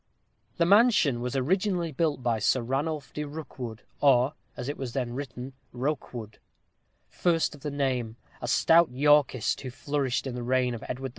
The mansion, was originally built by Sir Ranulph de Rookwood or, as it was then written, Rokewode the first of the name, a stout Yorkist, who flourished in the reign of Edward IV.